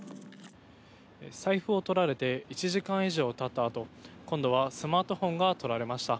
財布を取られて１時間以上たったあと今度はスマートフォンが取られました。